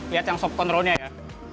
lihat yang sop kontrolnya ya